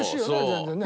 全然ね。